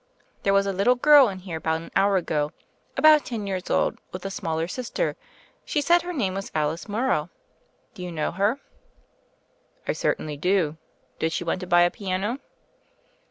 "There was a little girl in here about an hour ago, about ten years old, with a smaller sister. She said her name was Alice Morrow. Do you know her?" "I certainly do. Did she want to buy a piano?